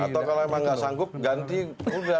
atau kalau emang gak sanggup ganti udah